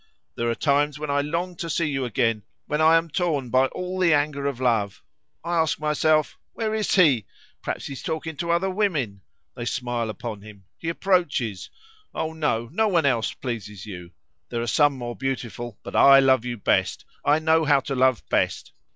There are times when I long to see you again, when I am torn by all the anger of love. I ask myself, Where is he? Perhaps he is talking to other women. They smile upon him; he approaches. Oh no; no one else pleases you. There are some more beautiful, but I love you best. I know how to love best.